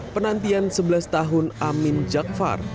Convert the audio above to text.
penantian sebelas tahun amin jakfar